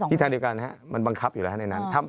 ทางเดียวกันมันบังคับอยู่แล้วในนั้น